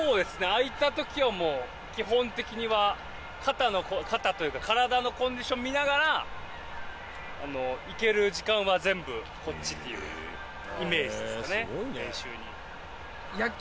空いた時はもう基本的には肩の肩というか体のコンディションを見ながら行ける時間は全部こっちっていうイメージですかね練習に。